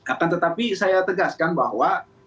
akan tetapi saya tegaskan bahwa